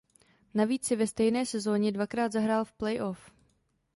Navíc si ve stejné sezóně dvakrát zahrál v playoff.